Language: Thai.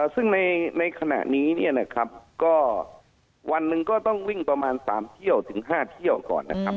ซึ่งในขณะนี้เนี่ยนะครับก็วันหนึ่งก็ต้องวิ่งประมาณ๓เที่ยวถึง๕เที่ยวก่อนนะครับ